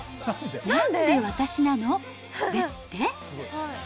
なんで私なの？ですって？